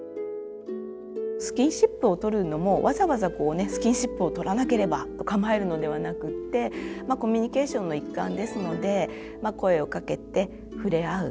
スキンシップを取るのもわざわざスキンシップを取らなければと構えるのではなくってコミュニケーションの一環ですので声をかけて触れ合う。